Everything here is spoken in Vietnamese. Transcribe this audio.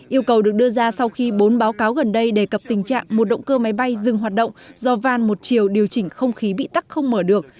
yêu cầu được đưa ra sau khi bốn báo cáo gần đây đề cập tình trạng một động cơ máy bay dừng hoạt động do van một chiều điều chỉnh không khí bị tắt không mở được